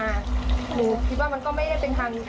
หนูคิดว่ามันก็ไม่ได้เป็นทางนี้ค่ะ